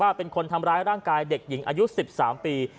เป็นคนทำร้ายร่างกายเด็กหญิงอายุ๑๓ปี